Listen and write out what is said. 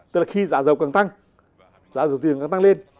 tức là khi giá dầu càng tăng giá dầu tiền càng tăng lên